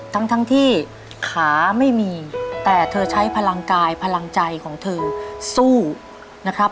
ทั้งทั้งที่ขาไม่มีแต่เธอใช้พลังกายพลังใจของเธอสู้นะครับ